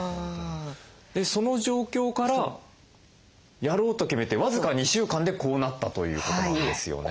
その状況からやろうと決めて僅か２週間でこうなったということなんですよね。